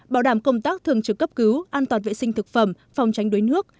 bảo đảm công tác thường trực cấp cứu an toàn vệ sinh thực phẩm phòng tránh đuối nước